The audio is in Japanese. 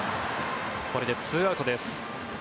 これで２アウトです。